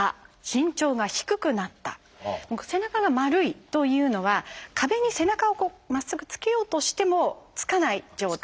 背中が丸いというのは壁に背中をまっすぐつけようとしてもつかない状態。